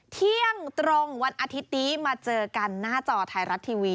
เที่ยงตรงวันอาทิตย์นี้มาเจอกันหน้าจอไทยรัฐทีวี